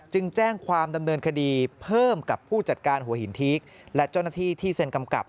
แจ้งความดำเนินคดีเพิ่มกับผู้จัดการหัวหินทีกและเจ้าหน้าที่ที่เซ็นกำกับ